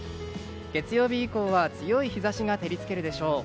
月曜日以降は強い日差しが照り付けるでしょう。